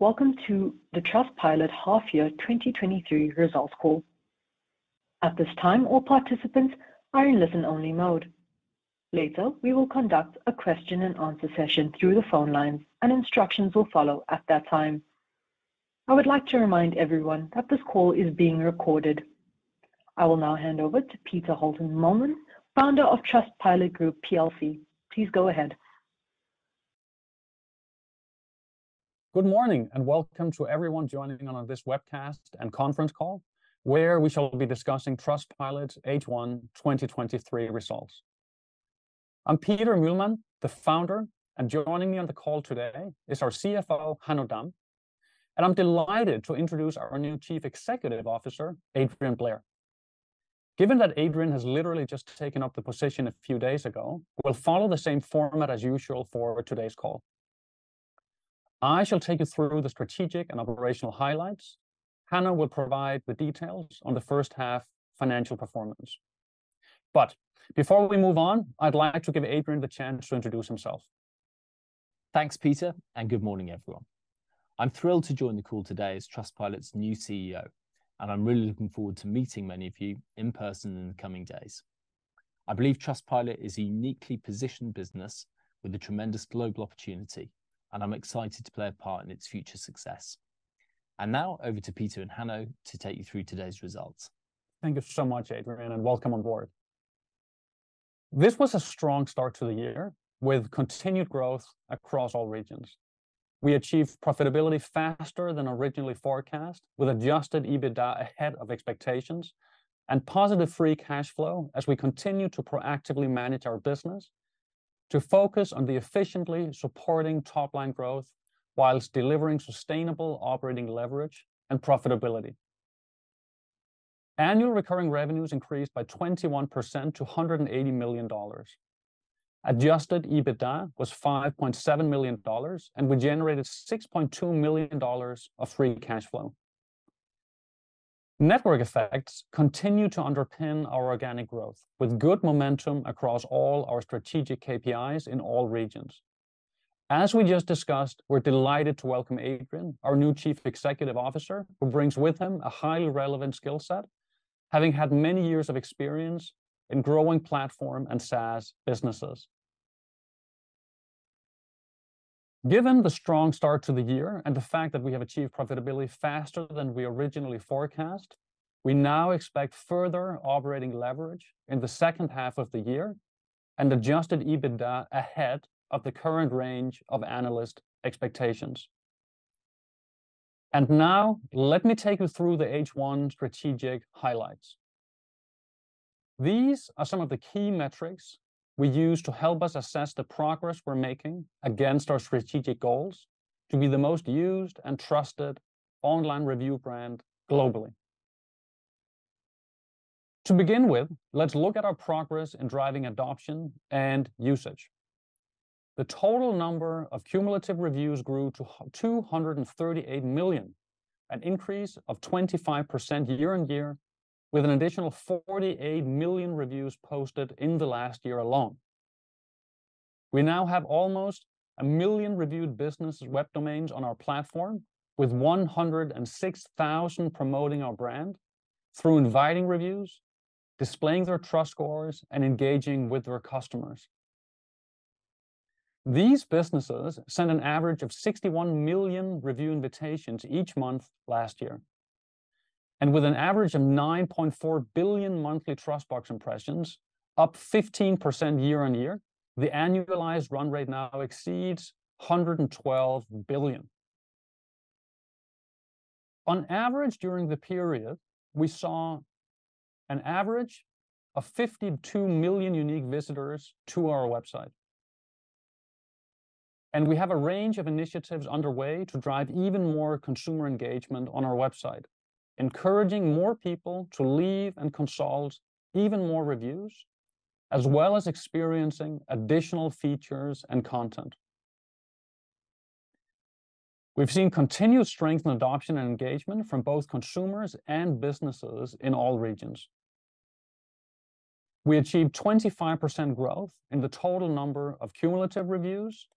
Welcome to the Trustpilot Half-Year 2023 Results Call. At this time, all participants are in listen-only mode. Later, we will conduct a question and answer session through the phone lines, and instructions will follow at that time. I would like to remind everyone that this call is being recorded. I will now hand over to Peter Holten Mühlmann, founder of Trustpilot Group PLC. Please go ahead. Good morning, and welcome to everyone joining on this webcast and conference call, where we shall be discussing Trustpilot's H1 2023 results. Peter Holten Mühlmann, the founder, and joining me on the call today is our CFO, Hanno Damm, and I'm delighted to introduce our new Chief Executive Officer, Adrian Blair. Given that Adrian has literally just taken up the position a few days ago, we'll follow the same format as usual for today's call. I shall take you through the strategic and operational highlights. Hanno will provide the details on the first half financial performance. Before we move on, I'd like to give Adrian the chance to introduce himself. Thanks, Peter, and good morning, everyone. I'm thrilled to join the call today as Trustpilot's new CEO, and I'm really looking forward to meeting many of you in person in the coming days. I believe Trustpilot is a uniquely positioned business with a tremendous global opportunity, and I'm excited to play a part in its future success. Now, over to Peter and Hanno to take you through today's results. Thank you so much, Adrian, and welcome on board. This was a strong start to the year, with continued growth across all regions. We achieved profitability faster than originally forecast, with Adjusted EBITDA ahead of expectations and positive free cash flow, as we continue to proactively manage our business to focus on efficiently supporting top-line growth while delivering sustainable operating leverage and profitability. Annual recurring revenues increased by 21% to $180 million. Adjusted EBITDA was $5.7 million, and we generated $6.2 million of free cash flow. Network Effects continue to underpin our organic growth, with good momentum across all our strategic KPIs in all regions. As we just discussed, we're delighted to welcome Adrian, our new Chief Executive Officer, who brings with him a highly relevant skill set, having had many years of experience in growing platform and SaaS businesses. Given the strong start to the year and the fact that we have achieved profitability faster than we originally forecast, we now expect further operating leverage in the second half of the year and Adjusted EBITDA ahead of the current range of analyst expectations. Now, let me take you through the H1 strategic highlights. These are some of the key metrics we use to help us assess the progress we're making against our strategic goals to be the most used and trusted online review brand globally. To begin with, let's look at our progress in driving adoption and usage. The total number of cumulative reviews grew to 238 million, an increase of 25% year-on-year, with an additional 48 million reviews posted in the last year alone. We now have almost a million reviewed business web domains on our platform, with 106,000 promoting our brand through inviting reviews, displaying their TrustScores, and engaging with their customers. These businesses sent an average of 61 million review invitations each month last year. With an average of 9.4 billion monthly TrustBox impressions, up 15% year-on-year, the annualized run rate now exceeds 112 billion. On average, during the period, we saw an average of 52 million unique visitors to our website, and we have a range of initiatives underway to drive even more consumer engagement on our website, encouraging more people to leave and consult even more reviews, as well as experiencing additional features and content. We've seen continued strength in adoption and engagement from both consumers and businesses in all regions. We achieved 25% growth in the total number of cumulative reviews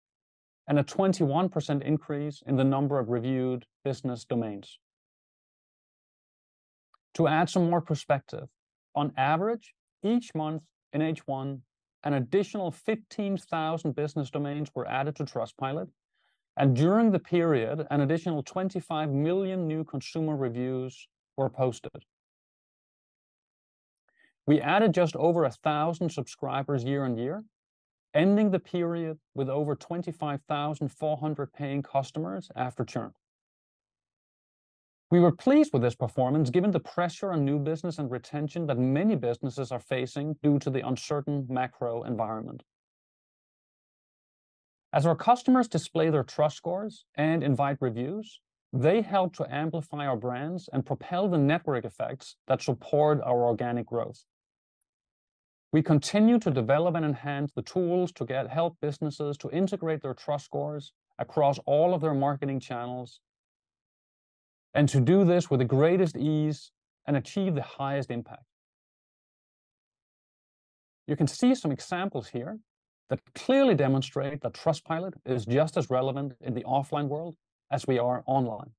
and a 21% increase in the number of reviewed business domains. To add some more perspective, on average, each month in H1, an additional 15,000 business domains were added to Trustpilot, and during the period, an additional 25 million new consumer reviews were posted. We added just over 1,000 subscribers year on year, ending the period with over 25,400 paying customers after churn. We were pleased with this performance, given the pressure on new business and retention that many businesses are facing due to the uncertain macro environment. As our customers display their TrustScores and invite reviews, they help to amplify our brands and propel the network effects that support our organic growth. We continue to develop and enhance the tools to help businesses to integrate their TrustScores across all of their marketing channels, and to do this with the greatest ease and achieve the highest impact.... You can see some examples here that clearly demonstrate that Trustpilot is just as relevant in the offline world as we are online.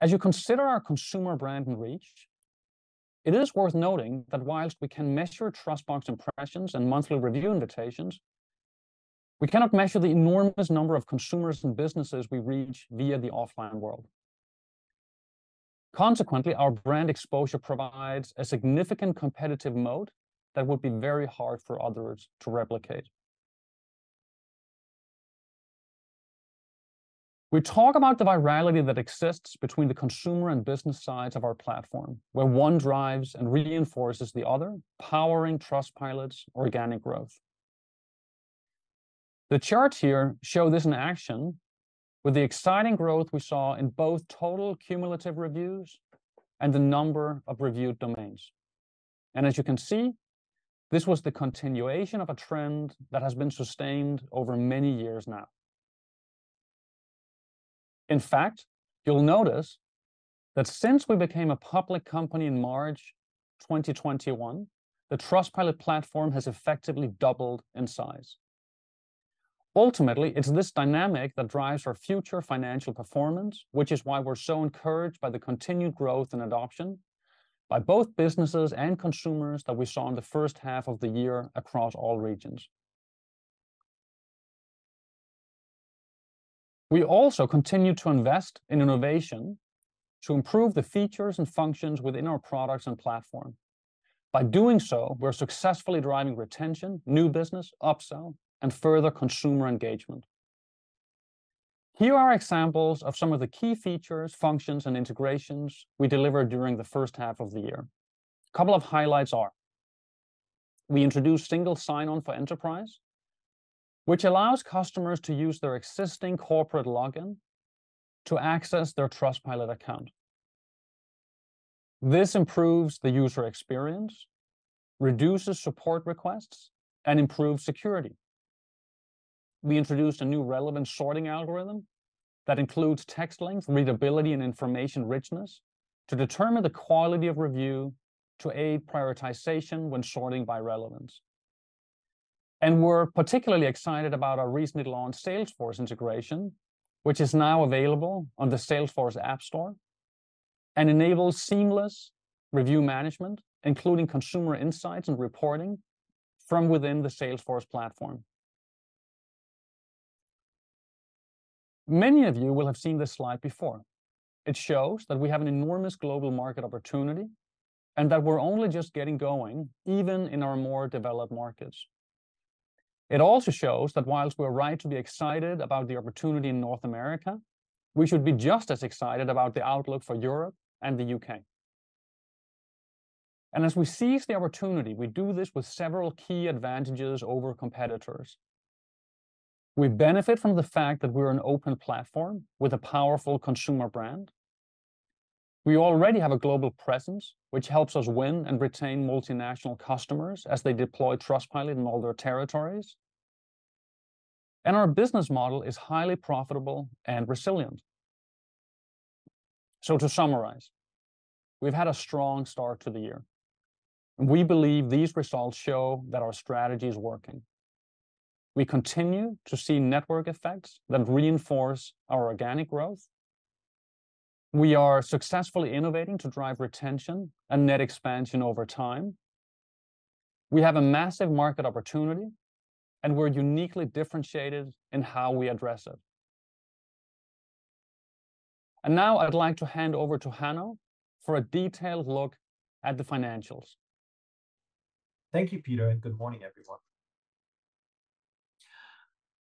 As you consider our consumer brand and reach, it is worth noting that while we can measure TrustBox impressions and monthly review invitations, we cannot measure the enormous number of consumers and businesses we reach via the offline world. Consequently, our brand exposure provides a significant competitive moat that would be very hard for others to replicate. We talk about the virality that exists between the consumer and business sides of our platform, where one drives and reinforces the other, powering Trustpilot's organic growth. The charts here show this in action, with the exciting growth we saw in both total cumulative reviews and the number of reviewed domains. As you can see, this was the continuation of a trend that has been sustained over many years now. In fact, you'll notice that since we became a public company in March 2021, the Trustpilot platform has effectively doubled in size. Ultimately, it's this dynamic that drives our future financial performance, which is why we're so encouraged by the continued growth and adoption by both businesses and consumers that we saw in the first half of the year across all regions. We also continue to invest in innovation to improve the features and functions within our products and platform. By doing so, we're successfully driving retention, new business, upsell, and further consumer engagement. Here are examples of some of the key features, functions, and integrations we delivered during the first half of the year. A couple of highlights are: we introduced Single Sign-On for enterprise, which allows customers to use their existing corporate login to access their Trustpilot account. This improves the user experience, reduces support requests, and improves security. We introduced a new relevant sorting algorithm that includes text length, readability, and information richness to determine the quality of review to aid prioritization when sorting by relevance. And we're particularly excited about our recently launched Salesforce integration, which is now available on the Salesforce AppExchange and enables seamless review management, including consumer insights and reporting from within the Salesforce platform. Many of you will have seen this slide before. It shows that we have an enormous global market opportunity, and that we're only just getting going, even in our more developed markets. It also shows that while we're right to be excited about the opportunity in North America, we should be just as excited about the outlook for Europe and the U.K. And as we seize the opportunity, we do this with several key advantages over competitors. We benefit from the fact that we're an open platform with a powerful consumer brand. We already have a global presence, which helps us win and retain multinational customers as they deploy Trustpilot in all their territories. Our business model is highly profitable and resilient. To summarize, we've had a strong start to the year. We believe these results show that our strategy is working. We continue to see network effects that reinforce our organic growth. We are successfully innovating to drive retention and net expansion over time. We have a massive market opportunity, and we're uniquely differentiated in how we address it. Now I'd like to hand over to Hanno for a detailed look at the financials. Thank you, Peter, and good morning, everyone.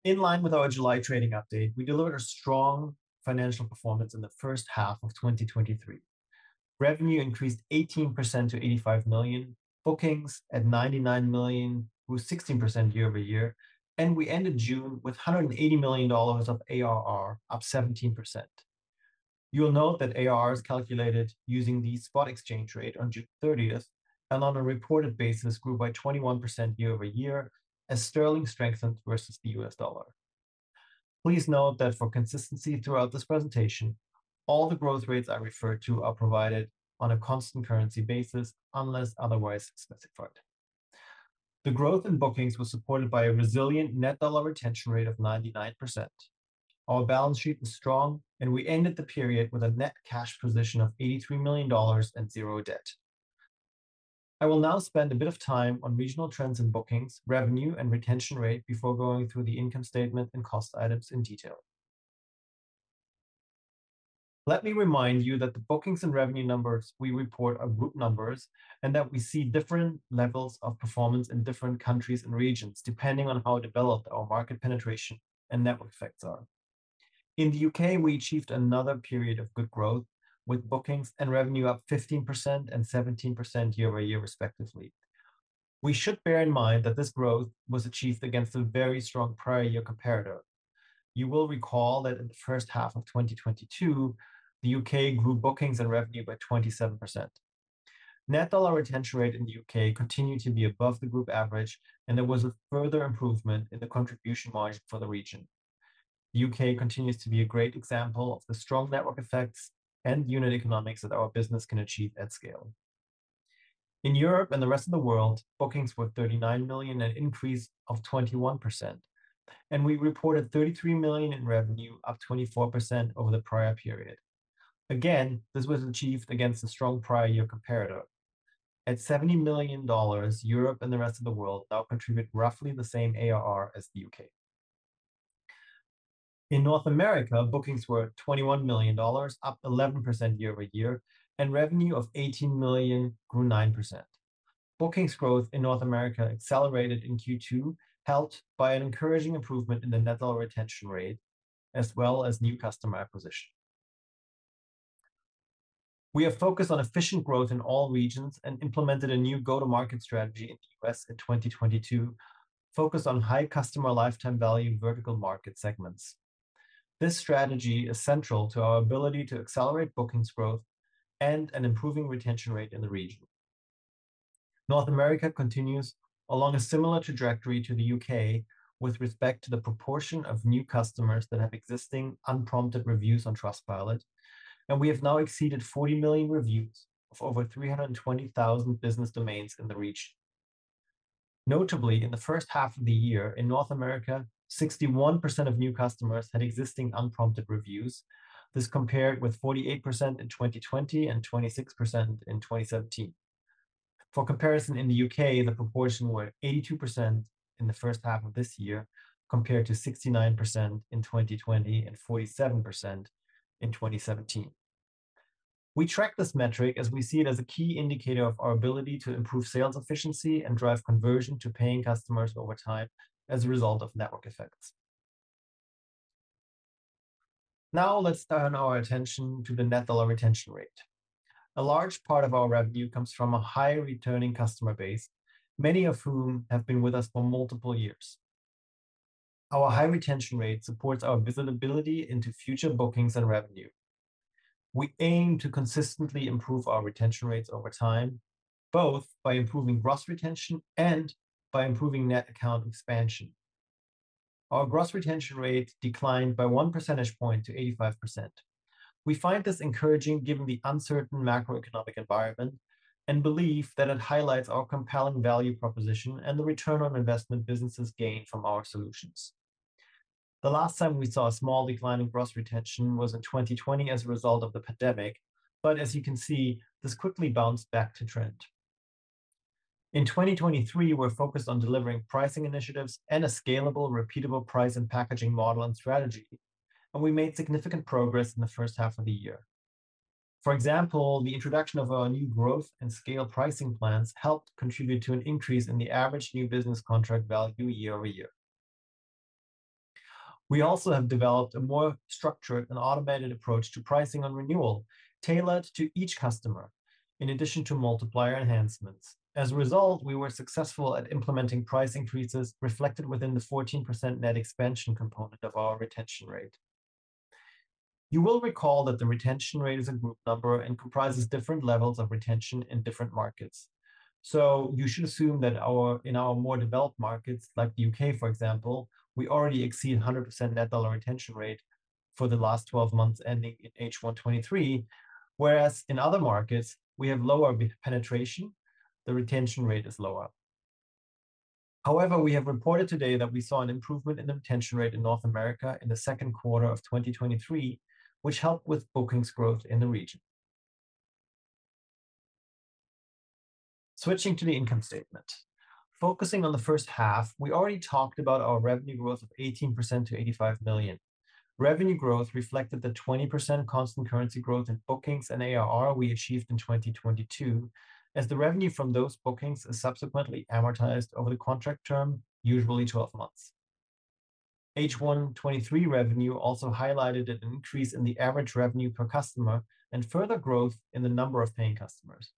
In line with our July trading update, we delivered a strong financial performance in the first half of 2023. Revenue increased 18% to $85 million. Bookings at $99 million, grew 16% year-over-year, and we ended June with $180 million of ARR, up 17%. You'll note that ARR is calculated using the spot exchange rate on June 30, and on a reported basis, grew by 21% year-over-year as sterling strengthened versus the U.S. dollar. Please note that for consistency throughout this presentation, all the growth rates I refer to are provided on a constant currency basis, unless otherwise specified. The growth in bookings was supported by a resilient net dollar retention rate of 99%. Our balance sheet was strong, and we ended the period with a net cash position of $83 million and 0 debt. I will now spend a bit of time on regional trends in bookings, revenue, and retention rate before going through the income statement and cost items in detail. Let me remind you that the bookings and revenue numbers we report are group numbers, and that we see different levels of performance in different countries and regions, depending on how developed our market penetration and network effects are. In the U.K., we achieved another period of good growth, with bookings and revenue up 15% and 17% year-over-year, respectively. We should bear in mind that this growth was achieved against a very strong prior year comparator. You will recall that in the first half of 2022, the U.K. grew bookings and revenue by 27%. Net Dollar Retention Rate in the U.K. continued to be above the group average, and there was a further improvement in the contribution margin for the region. U.K. continues to be a great example of the strong Network Effects and unit economics that our business can achieve at scale. In Europe and the rest of the world, bookings were $39 million, an increase of 21%, and we reported $33 million in revenue, up 24% over the prior period. Again, this was achieved against a strong prior year comparator. At $70 million, Europe and the rest of the world now contribute roughly the same ARR as the U.K.. In North America, bookings were $21 million, up 11% year-over-year, and revenue of $18 million grew 9%. Bookings growth in North America accelerated in Q2, helped by an encouraging improvement in the net dollar retention rate, as well as new customer acquisition. We are focused on efficient growth in all regions and implemented a new go-to-market strategy in the U.S. in 2022, focused on high customer lifetime value vertical market segments. This strategy is central to our ability to accelerate bookings growth and an improving retention rate in the region. North America continues along a similar trajectory to the U.K. with respect to the proportion of new customers that have existing unprompted reviews on Trustpilot, and we have now exceeded 40 million reviews of over 320,000 business domains in the region. Notably, in the first half of the year in North America, 61% of new customers had existing unprompted reviews. This compared with 48% in 2020 and 26% in 2017. For comparison, in the U.K., the proportion were 82% in the first half of this year, compared to 69% in 2020 and 47% in 2017. We track this metric as we see it as a key indicator of our ability to improve sales efficiency and drive conversion to paying customers over time as a result of network effects. Now, let's turn our attention to the net dollar retention rate. A large part of our revenue comes from a high returning customer base, many of whom have been with us for multiple years. Our high retention rate supports our visibility into future bookings and revenue. We aim to consistently improve our retention rates over time, both by improving gross retention and by improving net account expansion. Our Gross Retention Rate declined by 1 percentage point to 85%. We find this encouraging given the uncertain macroeconomic environment, and believe that it highlights our compelling value proposition and the return on investment businesses gain from our solutions. The last time we saw a small decline in Gross Retention Rate was in 2020 as a result of the pandemic, but as you can see, this quickly bounced back to trend. In 2023, we're focused on delivering pricing initiatives and a scalable, repeatable price and packaging model and strategy, and we made significant progress in the first half of the year. For example, the introduction of our new growth and scale pricing plans helped contribute to an increase in the average new business contract value year over year. We also have developed a more structured and automated approach to pricing on renewal, tailored to each customer, in addition to multiplier enhancements. As a result, we were successful at implementing price increases reflected within the 14% net expansion component of our retention rate. You will recall that the retention rate is a group number and comprises different levels of retention in different markets. So you should assume that in our more developed markets, like the U.K., for example, we already exceed 100% net dollar retention rate for the last twelve months ending in H1 2023, whereas in other markets, we have lower penetration, the retention rate is lower. However, we have reported today that we saw an improvement in the retention rate in North America in the second quarter of 2023, which helped with bookings growth in the region. Switching to the income statement. Focusing on the first half, we already talked about our revenue growth of 18% to $85 million. Revenue growth reflected the 20% constant currency growth in bookings and ARR we achieved in 2022, as the revenue from those bookings is subsequently amortized over the contract term, usually 12 months. H1 2023 revenue also highlighted an increase in the average revenue per customer and further growth in the number of paying customers.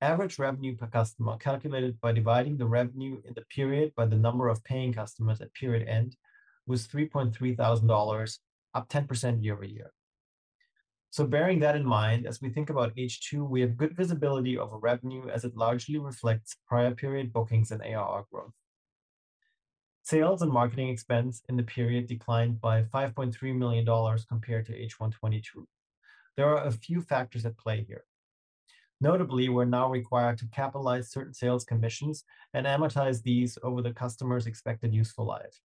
Average revenue per customer, calculated by dividing the revenue in the period by the number of paying customers at period end, was $3,300, up 10% year-over-year. Bearing that in mind, as we think about H2, we have good visibility of our revenue as it largely reflects prior period bookings and ARR growth. Sales and marketing expense in the period declined by $5.3 million compared to H1 2022. There are a few factors at play here. Notably, we're now required to capitalize certain sales commissions and amortize these over the customer's expected useful life.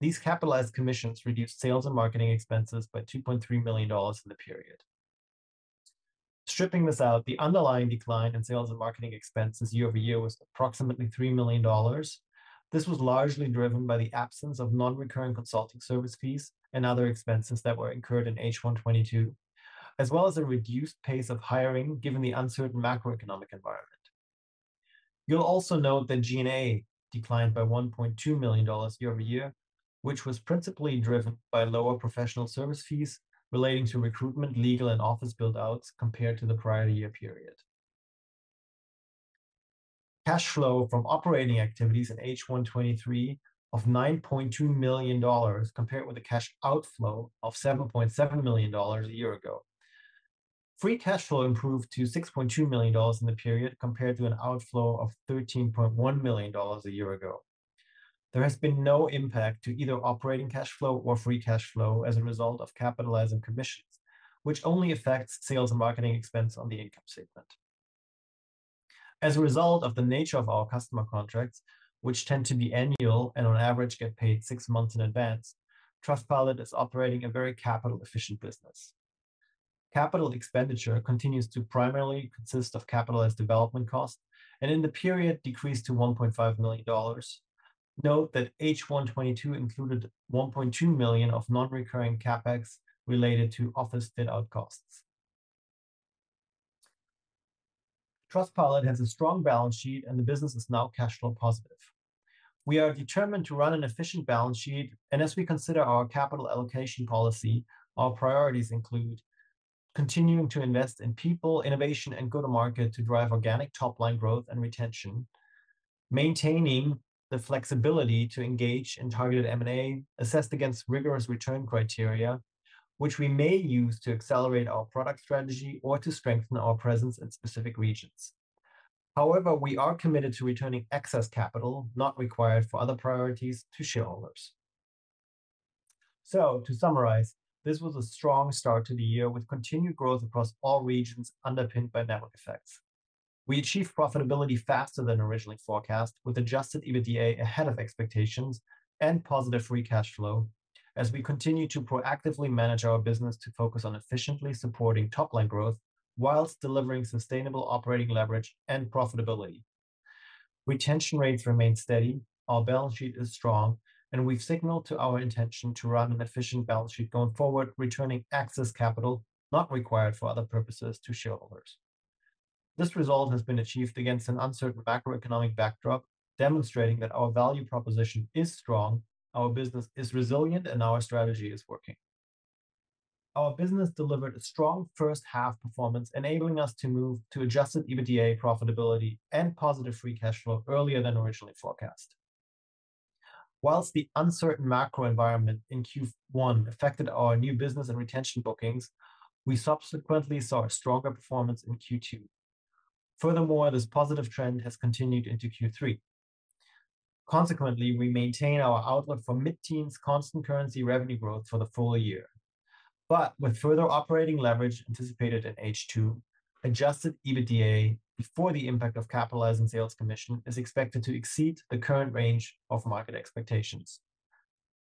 These capitalized commissions reduced sales and marketing expenses by $2.3 million in the period. Stripping this out, the underlying decline in sales and marketing expenses year-over-year was approximately $3 million. This was largely driven by the absence of non-recurring consulting service fees and other expenses that were incurred in H1 2022, as well as a reduced pace of hiring, given the uncertain macroeconomic environment. You'll also note that G&A declined by $1.2 million year-over-year, which was principally driven by lower professional service fees relating to recruitment, legal, and office buildouts compared to the prior year period. Cash flow from operating activities in H1 2023 of $9.2 million, compared with a cash outflow of $7.7 million a year ago. free cash flow improved to $6.2 million in the period, compared to an outflow of $13.1 million a year ago. There has been no impact to either operating cash flow or free cash flow as a result of capitalizing commissions, which only affects sales and marketing expense on the income statement. As a result of the nature of our customer contracts, which tend to be annual and on average get paid six months in advance, Trustpilot is operating a very capital-efficient business. Capital expenditure continues to primarily consist of capitalized development costs, and in the period, decreased to $1.5 million. Note that H1 2022 included $1.2 million of non-recurring CapEx related to office fit-out costs. Trustpilot has a strong balance sheet, and the business is now cash flow positive. We are determined to run an efficient balance sheet, and as we consider our capital allocation policy, our priorities include continuing to invest in people, innovation, and go-to-market to drive organic top-line growth and retention, maintaining the flexibility to engage in targeted M&A, assessed against rigorous return criteria, which we may use to accelerate our product strategy or to strengthen our presence in specific regions. However, we are committed to returning excess capital not required for other priorities to shareholders. So to summarize, this was a strong start to the year, with continued growth across all regions, underpinned by network effects. We achieved profitability faster than originally forecast, with Adjusted EBITDA ahead of expectations and positive free cash flow, as we continue to proactively manage our business to focus on efficiently supporting top-line growth while delivering sustainable operating leverage and profitability. Retention rates remain steady, our balance sheet is strong, and we've signaled to our intention to run an efficient balance sheet going forward, returning excess capital not required for other purposes to shareholders. This result has been achieved against an uncertain macroeconomic backdrop, demonstrating that our value proposition is strong, our business is resilient, and our strategy is working. Our business delivered a strong first half performance, enabling us to move to Adjusted EBITDA profitability and positive free cash flow earlier than originally forecast. While the uncertain macro environment in Q1 affected our new business and retention bookings, we subsequently saw a stronger performance in Q2. Furthermore, this positive trend has continued into Q3. Consequently, we maintain our outlook for mid-teens constant currency revenue growth for the full year. But with further operating leverage anticipated in H2, Adjusted EBITDA before the impact of capitalizing sales commission, is expected to exceed the current range of market expectations.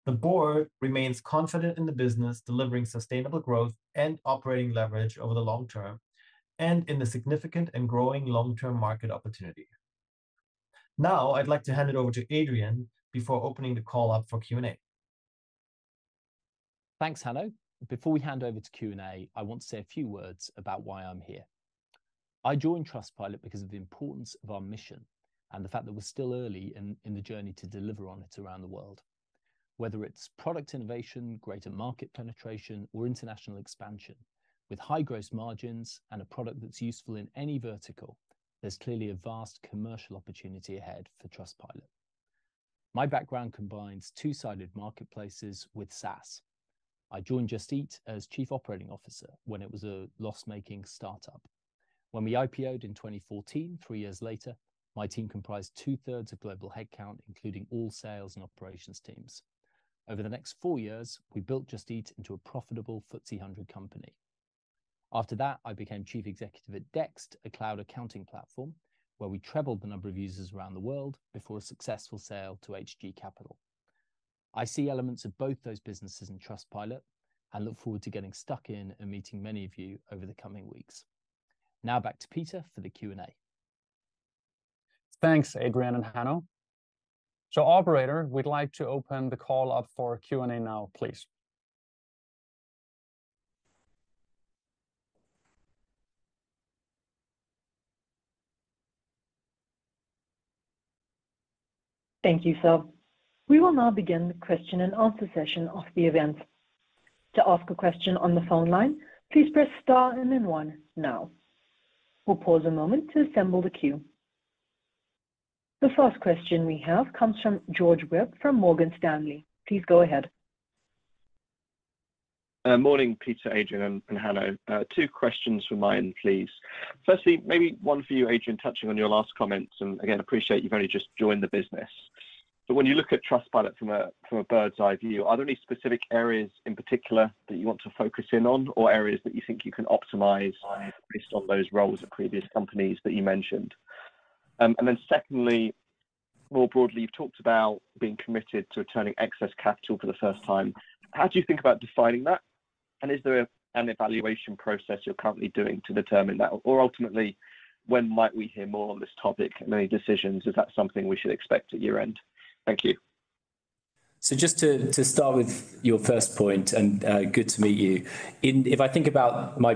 The board remains confident in the business, delivering sustainable growth and operating leverage over the long term, and in the significant and growing long-term market opportunity. Now, I'd like to hand it over to Adrian before opening the call up for Q&A. Thanks, Hanno. Before we hand over to Q&A, I want to say a few words about why I'm here. I joined Trustpilot because of the importance of our mission and the fact that we're still early in, in the journey to deliver on it around the world, whether it's product innovation, greater market penetration, or international expansion. With high gross margins and a product that's useful in any vertical, there's clearly a vast commercial opportunity ahead for Trustpilot. My background combines two-sided marketplaces with SaaS. I joined Just Eat as Chief Operating Officer when it was a loss-making start-up. When we IPO'd in 2014, three years later, my team comprised two-thirds of global headcount, including all sales and operations teams. Over the next four years, we built Just Eat into a profitable FTSE 100 company. After that, I became Chief Executive at Dext, a cloud accounting platform, where we tripled the number of users around the world before a successful sale to Hg. I see elements of both those businesses in Trustpilot and look forward to getting stuck in and meeting many of you over the coming weeks. Now back to Peter for the Q&A. Thanks, Adrian and Hanno. So, operator, we'd like to open the call up for Q&A now, please. Thank you, sir. We will now begin the question and answer session of the event. To ask a question on the phone line, please press star and then one now. We'll pause a moment to assemble the queue. The first question we have comes from George Webb from Morgan Stanley. Please go ahead. Morning, Peter, Adrian, and Hanno. Two questions from mine, please. Firstly, maybe one for you, Adrian, touching on your last comments, and again, appreciate you've only just joined the business. But when you look at Trustpilot from a bird's-eye view, are there any specific areas in particular that you want to focus in on, or areas that you think you can optimize based on those roles at previous companies that you mentioned? And then secondly, more broadly, you've talked about being committed to returning excess capital for the first time. How do you think about defining that, and is there an evaluation process you're currently doing to determine that? Or ultimately, when might we hear more on this topic and any decisions, is that something we should expect at year-end? Thank you. So just to start with your first point, and good to meet you. If I think about my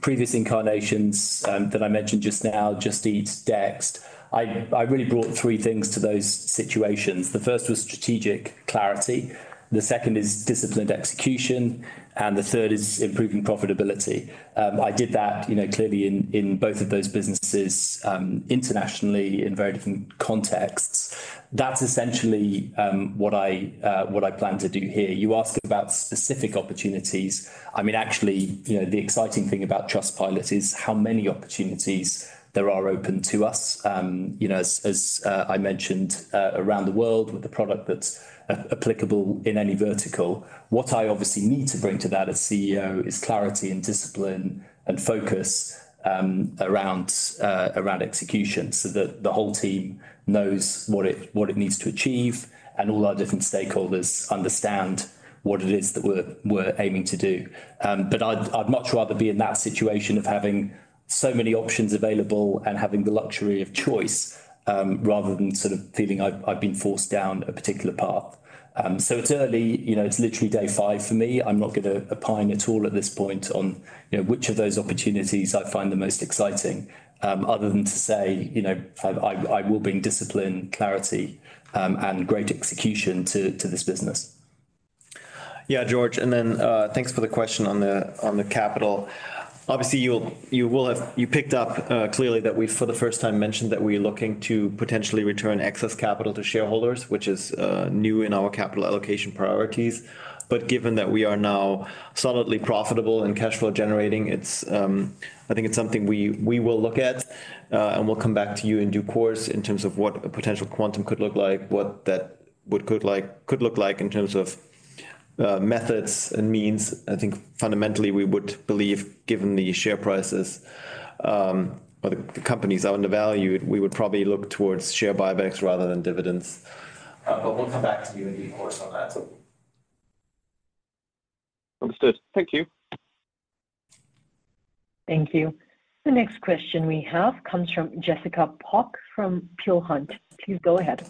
previous incarnations that I mentioned just now, Just Eat, Dext, I really brought three things to those situations. The first was strategic clarity, the second is disciplined execution, and the third is improving profitability. I did that, you know, clearly in both of those businesses, internationally, in very different contexts. That's essentially what I plan to do here. You asked about specific opportunities. I mean, actually, you know, the exciting thing about Trustpilot is how many opportunities there are open to us. You know, as I mentioned, around the world, with a product that's applicable in any vertical. What I obviously need to bring to that as CEO is clarity and discipline and focus around execution, so that the whole team knows what it needs to achieve, and all our different stakeholders understand what it is that we're aiming to do. But I'd much rather be in that situation of having so many options available and having the luxury of choice rather than sort of feeling I've been forced down a particular path. So it's early. You know, it's literally day five for me. I'm not going to opine at all at this point on, you know, which of those opportunities I find the most exciting other than to say, you know, I will bring discipline, clarity, and great execution to this business. Yeah, George, and then, thanks for the question on the, on the capital. Obviously, you will, you will have—you picked up, clearly that we, for the first time, mentioned that we're looking to potentially return excess capital to shareholders, which is, new in our capital allocation priorities. But given that we are now solidly profitable and cash flow generating, it's... I think it's something we, we will look at, and we'll come back to you in due course in terms of what a potential quantum could look like, what that would—could like, could look like in terms of, methods and means. I think fundamentally, we would believe, given the share prices, or the company's undervalue, we would probably look towards share buybacks rather than dividends. But we'll come back to you in due course on that. Understood. Thank you. Thank you. The next question we have comes from Jessica Pok from Peel Hunt. Please go ahead.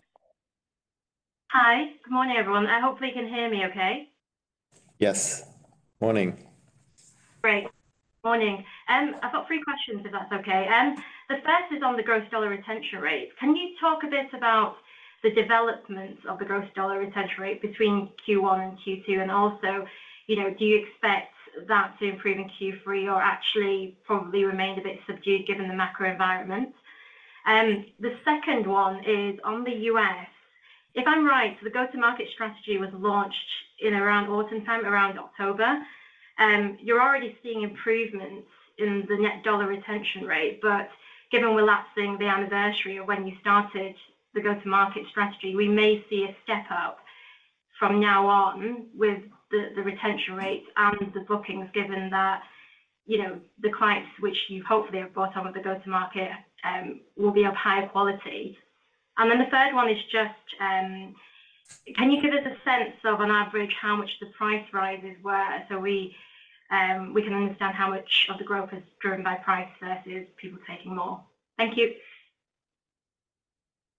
Hi. Good morning, everyone. I hope you can hear me okay? Yes. Morning. Great. Morning. I've got three questions, if that's okay. The first is on the gross dollar retention rate. Can you talk a bit about the development of the gross dollar retention rate between Q1 and Q2? And also, you know, do you expect that to improve in Q3 or actually probably remain a bit subdued given the macro environment? The second one is on the U.S. If I'm right, the go-to-market strategy was launched in around autumn time, around October. You're already seeing improvements in the net dollar retention rate, but given we're lapsing the anniversary of when you started the go-to-market strategy, we may see a step-up from now on with the retention rates and the bookings, given that, you know, the clients which you hopefully have brought on with the go-to-market, will be of higher quality. And then the third one is just, can you give us a sense of, on average, how much the price rises were, so we can understand how much of the growth is driven by price versus people taking more? Thank you.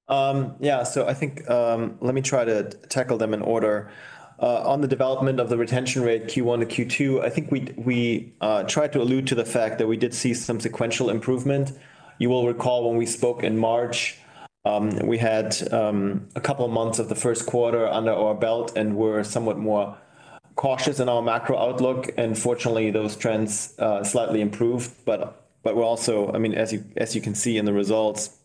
Yeah. So I think... Let me try to tackle them in order. On the development of the retention rate, Q1-Q2, I think we, we, tried to allude to the fact that we did see some sequential improvement. You will recall when we spoke in March, we had a couple of months of the first quarter under our belt and were somewhat more cautious in our macro outlook, and fortunately, those trends slightly improved. But, but we're also-- I mean, as you, as you can see in the results,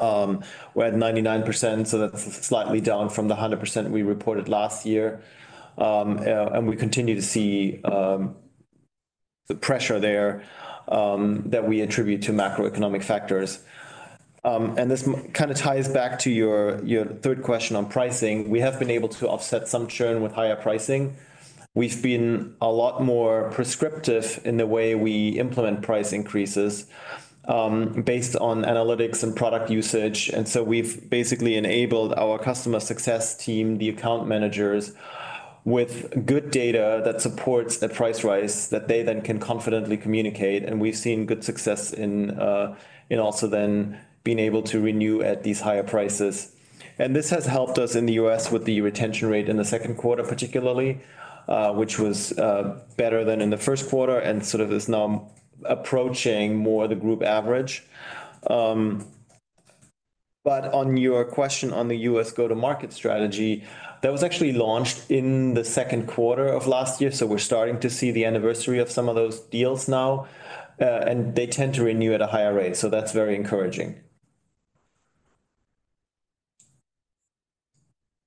we're at 99%, so that's slightly down from the 100% we reported last year. And we continue to see the pressure there that we attribute to macroeconomic factors. And this kind of ties back to your, your third question on pricing. We have been able to offset some churn with higher pricing. We've been a lot more prescriptive in the way we implement price increases, based on analytics and product usage, and so we've basically enabled our customer success team, the account managers, with good data that supports a price rise that they then can confidently communicate, and we've seen good success in also then being able to renew at these higher prices. This has helped us in the U.S. with the retention rate in the second quarter, particularly, which was better than in the first quarter and sort of is now approaching more the group average. But on your question on the U.S. go-to-market strategy, that was actually launched in the second quarter of last year, so we're starting to see the anniversary of some of those deals now, and they tend to renew at a higher rate, so that's very encouraging.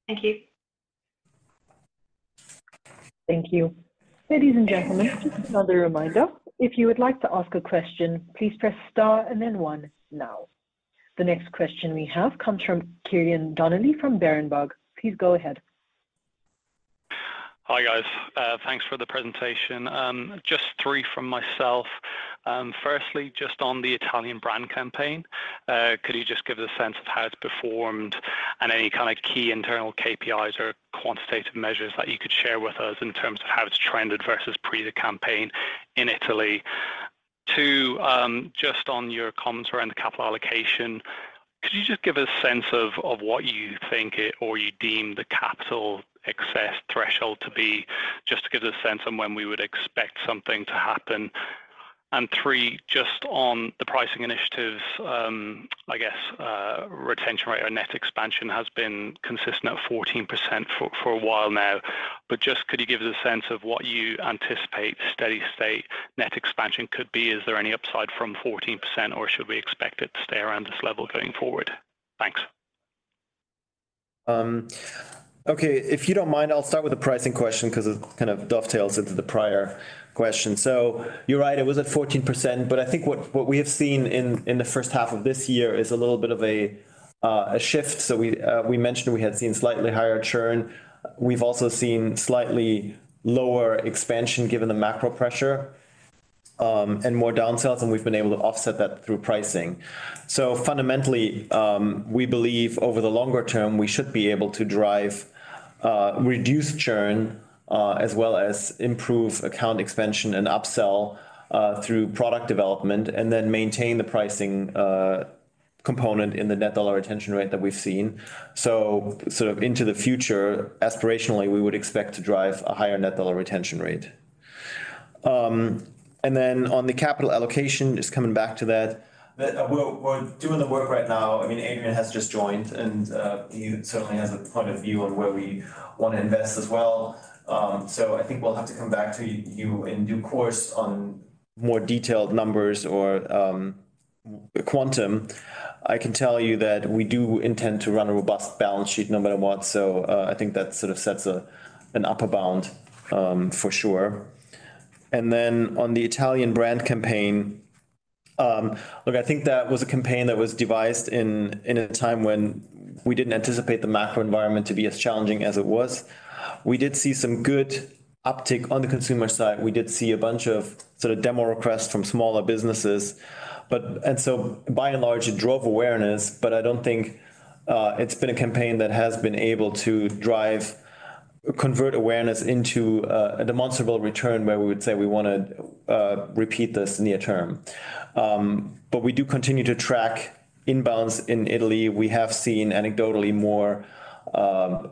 Thank you. Thank you. Ladies and gentlemen, just another reminder, if you would like to ask a question, please press star and then one now. The next question we have comes from Ciarán Donnelly from Berenberg. Please go ahead. Hi, guys. Thanks for the presentation. Just three from myself. Firstly, just on the Italian brand campaign, could you just give us a sense of how it's performed and any kind of key internal KPIs or quantitative measures that you could share with us in terms of how it's trended versus pre the campaign in Italy? Two, just on your comments around the capital allocation, could you just give us a sense of what you think it or you deem the capital excess threshold to be, just to give us a sense on when we would expect something to happen? And three, just on the pricing initiatives, I guess, retention rate or net expansion has been consistent at 14% for a while now, but just could you give us a sense of what you anticipate steady state net expansion could be? Is there any upside from 14%, or should we expect it to stay around this level going forward? Thanks. Okay, if you don't mind, I'll start with the pricing question, 'cause it kind of dovetails into the prior question. You're right, it was at 14%, but I think what we have seen in the first half of this year is a little bit of a shift. We mentioned we had seen slightly higher churn. We've also seen slightly lower expansion, given the macro pressure, and more downsells, and we've been able to offset that through pricing. Fundamentally, we believe over the longer term, we should be able to drive, reduce churn, as well as improve account expansion and upsell, through product development and then maintain the pricing component in the net dollar retention rate that we've seen. So sort of into the future, aspirationally, we would expect to drive a higher net dollar retention rate. And then on the capital allocation, just coming back to that, that we're doing the work right now. I mean, Adrian has just joined, and he certainly has a point of view on where we want to invest as well. So I think we'll have to come back to you in due course on more detailed numbers or quantum. I can tell you that we do intend to run a robust balance sheet no matter what. So I think that sort of sets an upper bound for sure. And then on the Italian brand campaign, look, I think that was a campaign that was devised in a time when we didn't anticipate the macro environment to be as challenging as it was. We did see some good uptick on the consumer side. We did see a bunch of sort of demo requests from smaller businesses. But by and large, it drove awareness, but I don't think it's been a campaign that has been able to drive, convert awareness into a demonstrable return where we would say we wanna repeat this near term. But we do continue to track inbounds in Italy. We have seen anecdotally more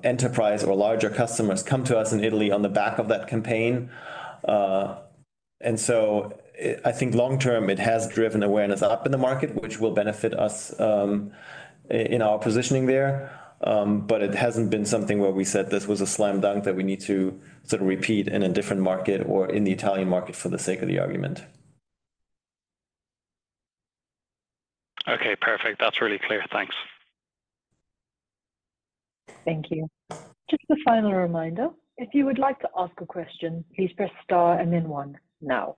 enterprise or larger customers come to us in Italy on the back of that campaign. And so I think long term, it has driven awareness up in the market, which will benefit us in our positioning there. But it hasn't been something where we said this was a slam dunk that we need to sort of repeat in a different market or in the Italian market for the sake of the argument. Okay, perfect. That's really clear. Thanks. Thank you. Just a final reminder, if you would like to ask a question, please press star and then one now.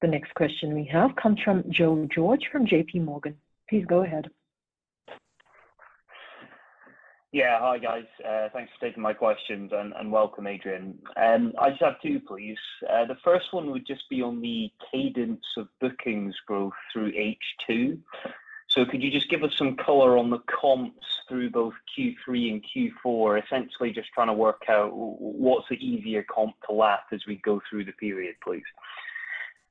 The next question we have comes from Joe George from J.P. Morgan. Please go ahead. Yeah. Hi, guys. Thanks for taking my questions, and welcome, Adrian. I just have two, please. The first one would just be on the cadence of bookings growth through H2. So could you just give us some color on the comps through both Q3 and Q4? Essentially, just trying to work out what's the easier comp to lap as we go through the period, please.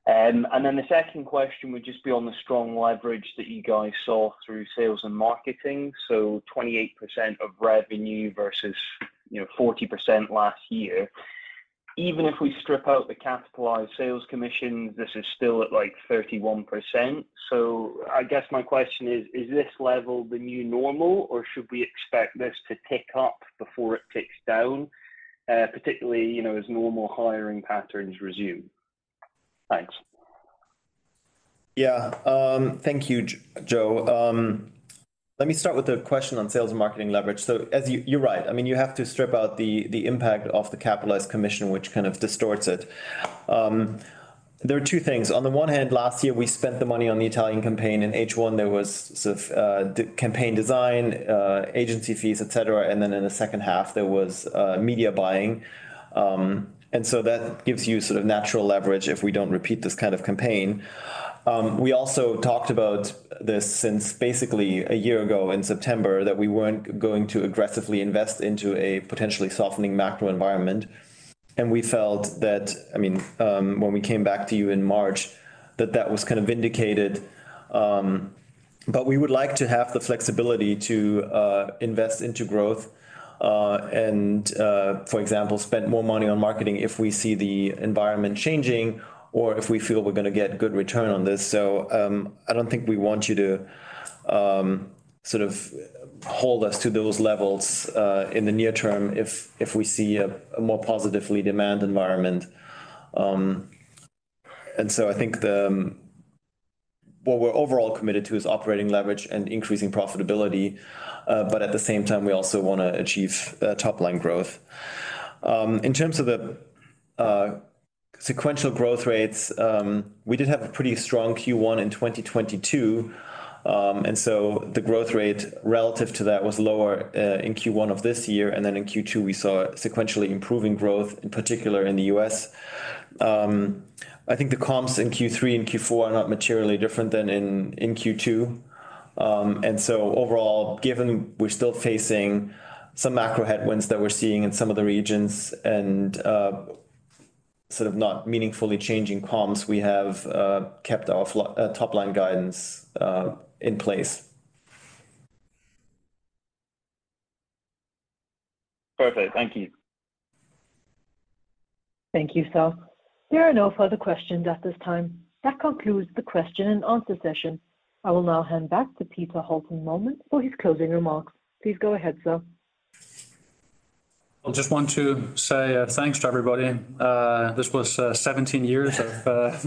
And then the second question would just be on the strong leverage that you guys saw through sales and marketing. So 28% of revenue versus, you know, 40% last year. Even if we strip out the capitalized sales commission, this is still at, like, 31%. So I guess my question is: Is this level the new normal, or should we expect this to tick up before it ticks down, particularly, you know, as normal hiring patterns resume? Thanks. Yeah. Thank you, Joe. Let me start with the question on sales and marketing leverage. So as you... You're right. I mean, you have to strip out the impact of the capitalized commission, which kind of distorts it. There are two things. On the one hand, last year, we spent the money on the Italian campaign. In H1, there was sort of the campaign design, agency fees, et cetera, and then in the second half, there was media buying. And so that gives you sort of natural leverage if we don't repeat this kind of campaign. We also talked about this since basically a year ago in September, that we weren't going to aggressively invest into a potentially softening macro environment. We felt that, I mean, when we came back to you in March, that that was kind of indicated. But we would like to have the flexibility to invest into growth, and, for example, spend more money on marketing if we see the environment changing or if we feel we're gonna get good return on this. I don't think we want you to sort of hold us to those levels in the near term if we see a more positively demand environment. So I think what we're overall committed to is operating leverage and increasing profitability, but at the same time, we also wanna achieve top-line growth. In terms of the sequential growth rates, we did have a pretty strong Q1 in 2022. And so the growth rate relative to that was lower in Q1 of this year, and then in Q2, we saw sequentially improving growth, in particular in the US. I think the comps in Q3 and Q4 are not materially different than in, in Q2. And so overall, given we're still facing some macro headwinds that we're seeing in some of the regions and sort of not meaningfully changing comps, we have kept our top-line guidance in place. Perfect. Thank you. Thank you, sir. There are no further questions at this time. That concludes the question and answer session. I will now hand back to Peter Holten Mühlmann for his closing remarks. Please go ahead, sir. I just want to say, thanks to everybody. This was 17 years of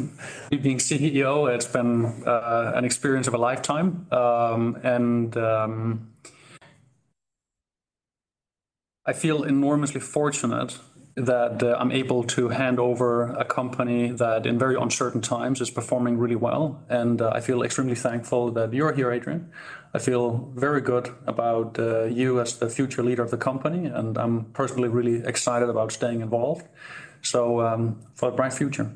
me being CEO. It's been an experience of a lifetime. I feel enormously fortunate that I'm able to hand over a company that, in very uncertain times, is performing really well, and I feel extremely thankful that you're here, Adrian. I feel very good about you as the future leader of the company, and I'm personally really excited about staying involved, so for a bright future.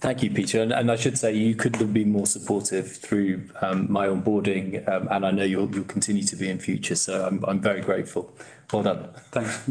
Thank you, Peter, and I should say, you couldn't have been more supportive through my onboarding, and I know you'll continue to be in future, so I'm very grateful. Well done. Thanks.